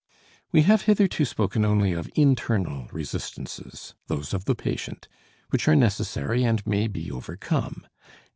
We have hitherto spoken only of internal resistances, those of the patient, which are necessary and may be overcome.